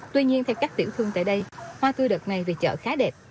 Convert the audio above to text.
tuy nhiên theo các tiểu thương tại đây hoa tươi đợt này về chợ khá đẹp